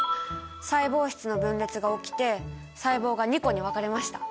細胞質の分裂が起きて細胞が２個に分かれました。